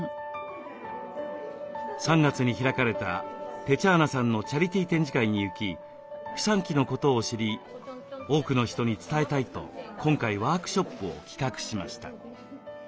３月に開かれたテチャーナさんのチャリティー展示会に行きピサンキのことを知り多くの人に伝えたいと今回ワークショップを企画しました。